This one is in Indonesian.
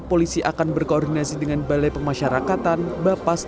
polisi akan berkoordinasi dengan balai pemasyarakatan bapas